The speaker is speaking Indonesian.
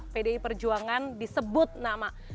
pdi perjuangan disebut nama